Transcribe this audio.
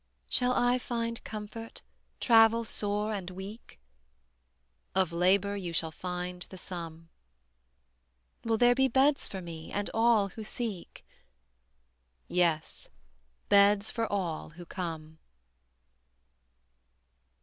Shall I find comfort, travel sore and weak? Of labor you shall find the sum. Will there be beds for me and all who seek? Yea, beds for all who come.